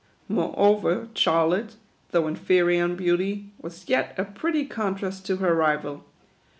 Moreover Charlotte, though inferior in beauty, was yet a pretty contrast to her rival.